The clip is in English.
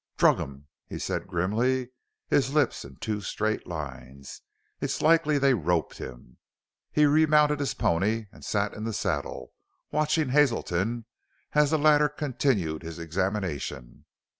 "Drug him!" he said grimly, his lips in two straight lines. "It's likely they roped him!" He remounted his pony and sat in the saddle, watching Hazelton as the latter continued his examination.